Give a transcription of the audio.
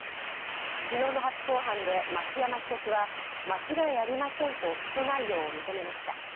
昨日の初公判で増山被告は間違いありませんと起訴内容を認めました。